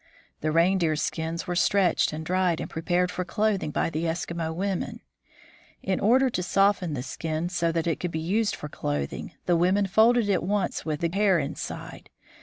The reindeer skins were stretched and dried and prepared for clothing by the Eskimo women. In order to soften the skin so that it could be used for clothing, the women folded it once with the hair inside.